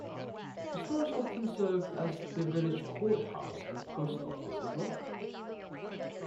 The stores often served as the village courthouse and post office as well.